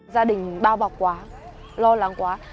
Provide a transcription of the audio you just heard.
gia đình bao bọc quá lo lắng quá